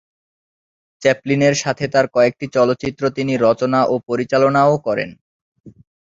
চ্যাপলিনের সাথে তার কয়েকটি চলচ্চিত্র তিনি রচনা ও পরিচালনাও করেন।